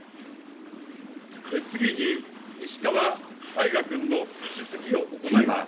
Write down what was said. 次に石川大我君の質疑を行います。